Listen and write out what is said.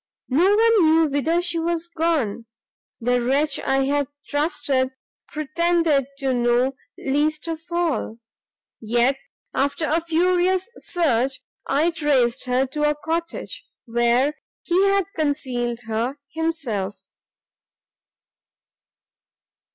no one knew whither she was gone; the wretch I had trusted pretended to know least of all; yet, after a furious search, I traced her to a cottage, where he had concealed her himself!